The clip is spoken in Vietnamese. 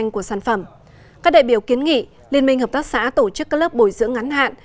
các đại biểu kiến nghị liên minh hợp tác xã tổ chức các lớp bồi dưỡng ngắn hạn